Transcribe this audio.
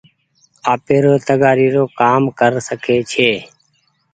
آپير تگآري رو ڪآم ڪر سکي ڇي۔